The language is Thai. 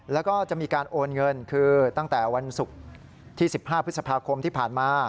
แล้วก็จะมีการโอนเงินคือตั้งแต่วันศุกร์ที่๑๕พฤษภาคมที่ผ่านมา